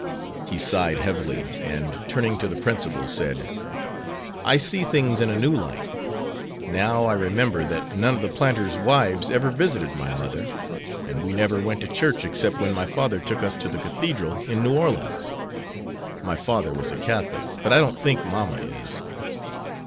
He sighed heavily, and, turning to the principal, said: "I see things in a new light. Now I remember that none of the planters' wives ever visited my mother; and we never went to church except when my father took us to the Cathedral in New Orleans. My father was a Catholic, but I don't think mamma is."